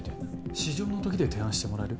「至上の時」で提案してもらえる？